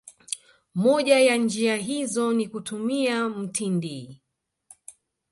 Moja ya njia hizo ni kutumia mtindi